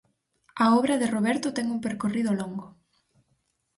A obra de Roberto ten un percorrido longo.